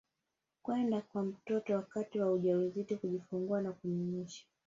kwenda kwa mtoto wakati wa ujauzito kujifungua au kunyonyesha